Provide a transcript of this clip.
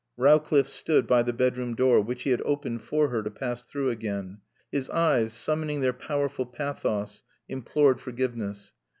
Rowcliffe stood by the bedroom door, which he had opened for her to pass through again. His eyes, summoning their powerful pathos, implored forgiveness.